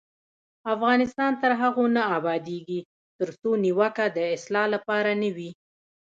افغانستان تر هغو نه ابادیږي، ترڅو نیوکه د اصلاح لپاره نه وي.